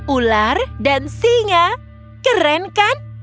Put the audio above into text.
ular dan singa keren kan